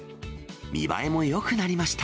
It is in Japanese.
見栄えもよくなりました。